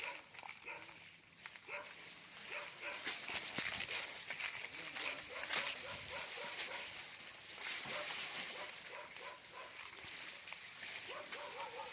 วันที่สุดท้ายมันกลายเป็นเวลาที่สุดท้าย